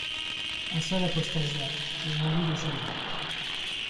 Un seul apostasia, mais mourut de chaleur.